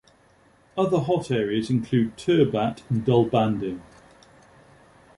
Other hot areas include Turbat and Dalbandin.